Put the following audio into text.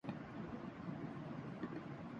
گمان تو پھرگمان ہوتا ہے۔